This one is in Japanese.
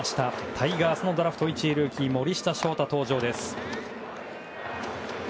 タイガースのドラフト１位ルーキー森下翔太、登場です。